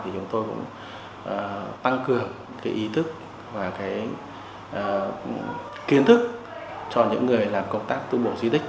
chúng tôi cũng tăng cường ý thức và kiến thức cho những người làm công tác tu bổ di tích